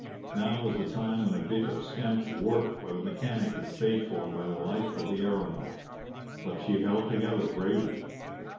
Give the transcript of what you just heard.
Now was the time when a bit of scamped work by the mechanic is paid for by the life of the aeronaut. But she held together bravely.